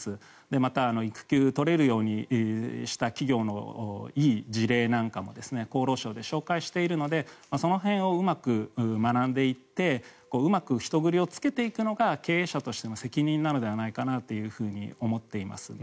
また、育休を取れるようにした企業のいい事例なんかも厚労省で紹介しているのでその辺をうまく学んでいってうまく人繰りをつけていくのが経営者としての責任なのではないかなと思っています。